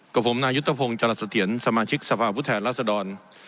กับผมนายุตภพงศ์จรสเตียนสมาชิกสภาพพุทธแห่งราษดร